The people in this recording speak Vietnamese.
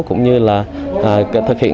cũng như là thực hiện các bệnh